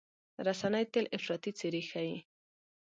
رسنۍ تل افراطي څېرې ښيي.